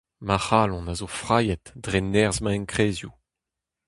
Ma c'halon a zo frailhet dre nerzh ma enkrezioù,